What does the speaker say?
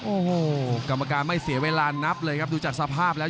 โอ้โหกรรมการไม่เสียเวลานับเลยครับดูจากสภาพแล้ว